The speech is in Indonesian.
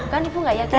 kan ibu gak yakin kan